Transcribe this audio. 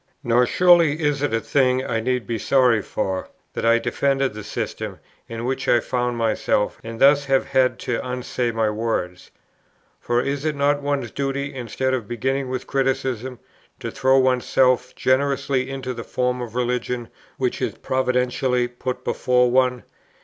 "Nor surely is it a thing I need be sorry for, that I defended the system in which I found myself, and thus have had to unsay my words. For is it not one's duty, instead of beginning with criticism, to throw oneself generously into that form of religion which is providentially put before one?